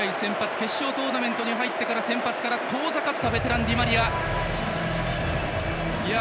決勝トーナメントに入ってから先発から遠ざかったベテランのディマリア。